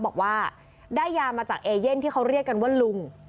บอกว่าได้ยามาจากเอเย่นที่เขาเรียกกันว่าลุง